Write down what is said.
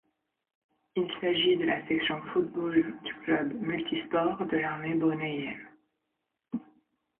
Il s'agit de la section football du club multi-sport de l'armée brunéeienne.